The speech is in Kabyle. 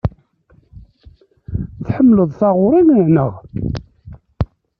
Tḥemmleḍ taẓuri, naɣ?